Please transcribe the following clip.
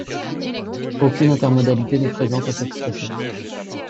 Aucune intermodalité n'est présente à cette station.